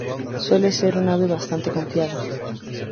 Suele ser un ave bastante confiada.